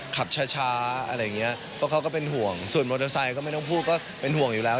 ขับช้าอะไรอย่างเงี้ยเพราะเขาก็เป็นห่วงส่วนมอเตอร์ไซค์ก็ไม่ต้องพูดก็เป็นห่วงอยู่แล้ว